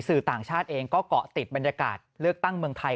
สื่อต่างชาติเองก็เกาะติดบรรยากาศเลือกตั้งเมืองไทย